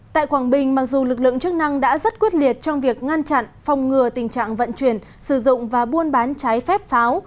tại quảng bình mặc dù lực lượng chức năng đã rất quyết liệt trong việc ngăn chặn phòng ngừa tình trạng vận chuyển sử dụng và buôn bán trái phép pháo